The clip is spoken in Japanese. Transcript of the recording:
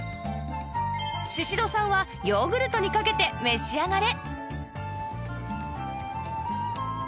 宍戸さんはヨーグルトにかけて召し上がれ！